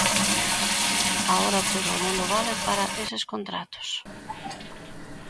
Agora todo o mundo vale para eses contratos.